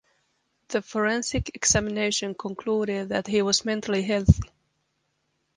The forensic examination concluded that he was mentally healthy.